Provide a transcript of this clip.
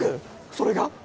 それが？